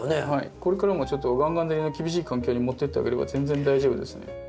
これからもちょっとがんがん照りの厳しい環境に持ってってあげれば全然大丈夫ですね。